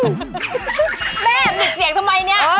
แม่ผิดเสียงทำไมเนี่ย